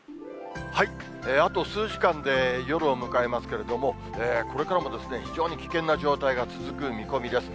あと数時間で夜を迎えますけれども、これからも非常に危険な状態が続く見込みです。